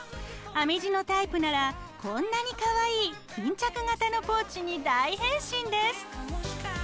編み地のタイプならこんなにかわいい巾着型のポーチに大変身です。